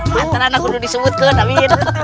mantra anak kudu disebut ke namin